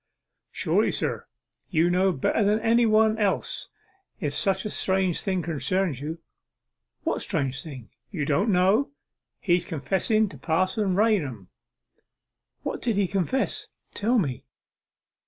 'Surely, sir, you know better than anybody else if such a strange thing concerns you.' 'What strange thing?' 'Don't you know! His confessing to Parson Raunham.' 'What did he confess? Tell me.